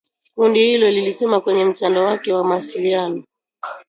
Kundi hilo lilisema kwenye mtandao wake wa mawasiliano